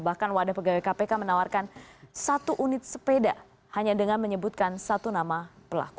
bahkan wadah pegawai kpk menawarkan satu unit sepeda hanya dengan menyebutkan satu nama pelaku